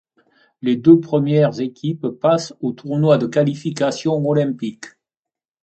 Les deux premières équipes passent aux tournois de qualification olympique.